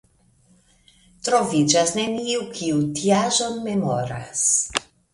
Troviĝas neniu, kiu tiaĵon memoras.